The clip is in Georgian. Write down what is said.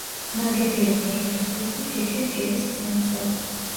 ნაგები იყო რიყის ქვით და ფიქლით კირის ხსნარზე.